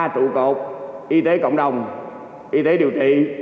ba trụ cột y tế cộng đồng y tế điều trị